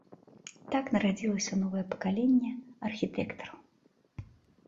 Так нарадзілася новае пакаленне архітэктараў.